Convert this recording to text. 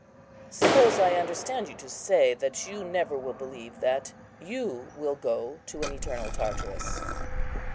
Suppose I understand you to say that you never will believe that you will go to an eternal Tartarus."